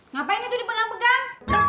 ngapain itu dipegang pegang